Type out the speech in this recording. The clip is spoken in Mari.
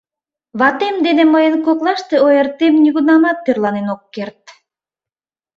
Ватем дене мыйын коклаште ойыртем нигунамат тӧрланен ок керт.